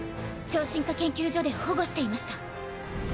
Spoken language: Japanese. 超進化研究所で保護していました。